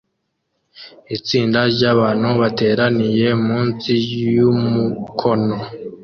Itsinda ryabantu bateraniye munsi yumukono